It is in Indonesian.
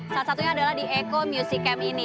salah satunya adalah di eko music camp ini